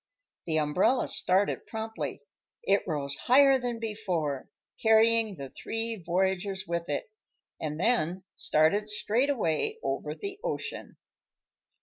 The umbrella started promptly. It rose higher than before, carrying the three voyagers with it, and then started straight away over the ocean.